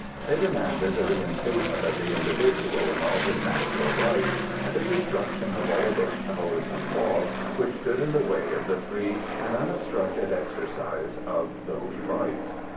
They demanded the reinstatement of the individual in all his natural rights, and a destruction of all those powers and laws which stood in the way of the free and unobstructed exercise of those rights.